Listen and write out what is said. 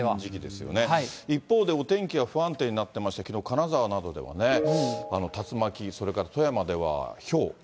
一方でお天気は不安定になっていまして、きのう金沢ではね、竜巻、それから富山ではひょう。